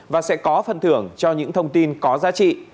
và sẽ có phần thưởng cho những thông tin có giá trị